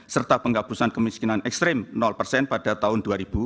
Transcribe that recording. serta penghapusan kemiskinan ekstrim persen pada tahun dua ribu dua puluh